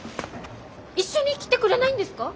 一緒に来てくれないんですか？